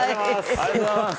ありがとうございます。